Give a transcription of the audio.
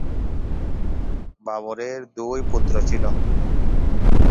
বাবরের দুই পুত্র ছিল।